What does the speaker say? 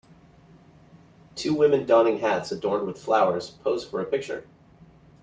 Two women donning hats adorned with flowers pose for a picture.